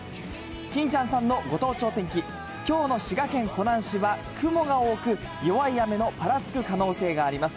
きんちゃんさんのご当地お天気、きょうの滋賀県湖南市は雲が多く、弱い雨のぱらつく可能性があります。